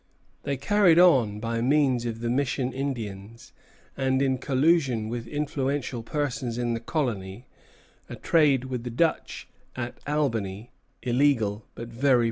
They carried on by means of the Mission Indians, and in collusion with influential persons in the colony, a trade with the Dutch at Albany, illegal, but very profitable.